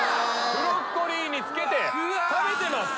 ブロッコリーにつけて食べてます。